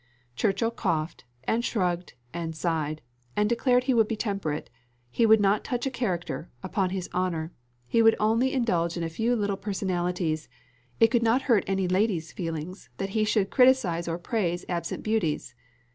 Churchill coughed, and shrugged, and sighed, and declared he would be temperate; he would not touch a character, upon his honour; he would only indulge in a few little personalities; it could not hurt any lady's feelings that he should criticise or praise absent beauties.